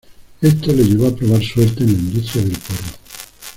Esto le llevó a probar suerte en la industria del porno.